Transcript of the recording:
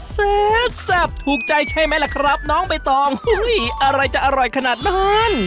แซ่บถูกใจใช่ไหมล่ะครับน้องใบตองอะไรจะอร่อยขนาดนั้น